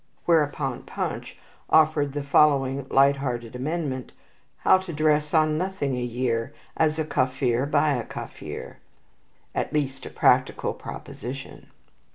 Whereupon "Punch" offered the following light minded amendment: "How to Dress on Nothing a Year. As a Kaffir. By a Kaffir." At least a practical proposition.